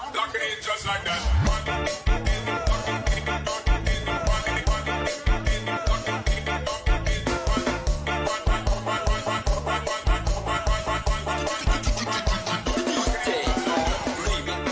ตำแลนด์